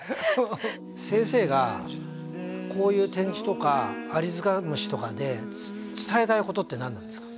先生がこういう展示とかアリヅカムシとかで伝えたいことって何なんですか？